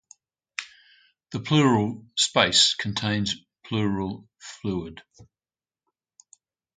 The pleural space contains pleural fluid.